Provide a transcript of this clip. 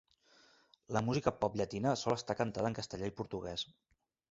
La música pop llatina sol estar cantada en castellà i portuguès.